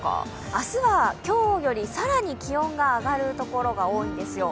明日は今日より更に気温が上がる所が多いんですよ。